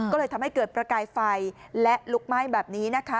ก็เลยทำให้เกิดประกายไฟและลุกไหม้แบบนี้นะคะ